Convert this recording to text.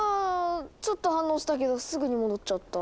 ちょっと反応したけどすぐに戻っちゃった。